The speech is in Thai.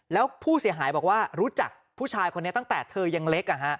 แล้วผู้เสียหายบอกว่ารู้จักผู้ชายคนนี้ตั้งแต่เธอยังเล็ก